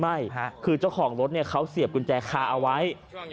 ไม่คือเจ้าของรถเขาเสียบกุญแจคาเอาไว้